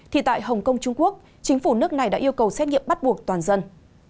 thì tại hồng kông trung quốc chính phủ nước này đã yêu cầu xét nghiệm bắt buộc toàn dân